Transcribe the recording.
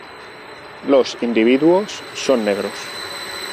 Los individuos son negros.